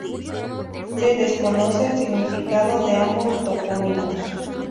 Se desconoce el significado de ambos topónimos.